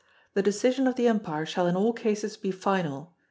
The decision of the umpire shall in all cases be final.